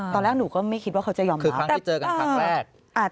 ตอนแรกหนูก็ไม่คิดว่าเขาจะยอมคืนคือครั้งที่เจอกันครั้งแรก